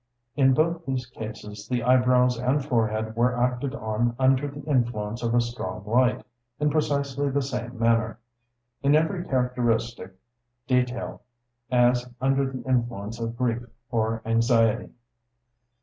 In both these cases the eyebrows and forehead were acted on under the influence of a strong light, in precisely the same manner, in every characteristic detail, as under the influence of grief or anxiety.